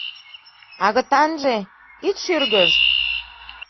Агытанже, ит шӱргыж!